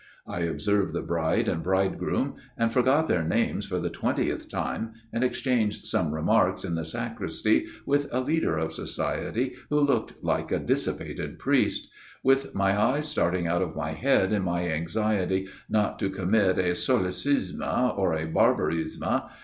I observed the bride and bridegroom and forgot their names for the twentieth time, and exchanged some remarks in the sacristy with a leader of society who looked like a dissipated priest ; with my eyes starting out of my head in my anxiety not to commit a solecisme or a barbarisms.